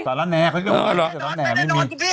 ไปแน่นอนคุณพี่